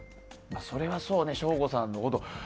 それはそうね、省吾さんのこと。